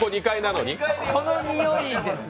このにおいですね。